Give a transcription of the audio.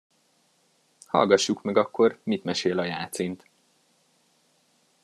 Hallgassuk meg akkor, mit mesél a jácint.